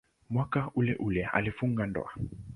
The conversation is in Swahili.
Mwaka uleule alifunga ndoa.